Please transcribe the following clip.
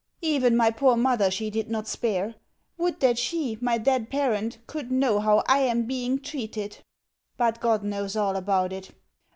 Even my poor mother she did not spare. Would that she, my dead parent, could know how I am being treated! But God knows all about it....